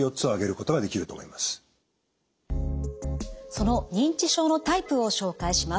その認知症のタイプを紹介します。